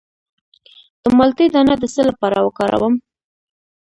د مالټې دانه د څه لپاره وکاروم؟